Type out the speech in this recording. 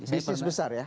bisnis besar ya